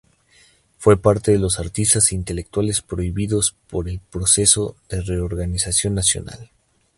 Fue parte de los artistas e intelectuales prohibidos por el Proceso de Reorganización Nacional.